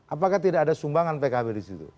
apakah tidak ada sumbangan pkb di situ